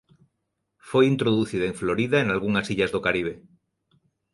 Foi introducida en Florida e nalgunhas illas do Caribe.